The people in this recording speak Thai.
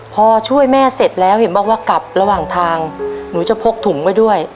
พอช่วยแม่เสร็จแล้วเห็นบอกว่ากลับระหว่างทางหนูจะพกถุงไว้ด้วย